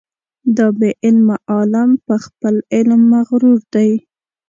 دا بې علمه عالم په خپل علم مغرور دی.